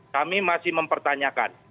kami masih mempertanyakan